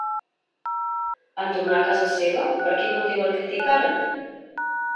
En tornar a casa seva, per quin motiu el criticaren?